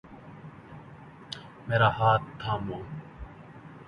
میرا ہاتھ تھامو۔